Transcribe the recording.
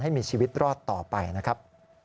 ให้มีชีวิตรอดต่อไปนะครับ